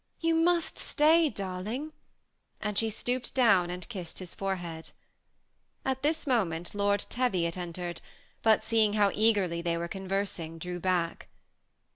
" You must stay, darling ;" and she stooped down and kissed his forehead. At this moment Lord Teviot entered, but seeing how eagerly they were conversing, he drew back.